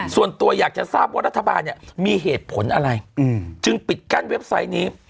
ส่วนตัวอยากจะทราบว่ารัฐบาลเนี่ยมีเหตุผลอะไรจึงปิดกั้นเว็บไซต์นี้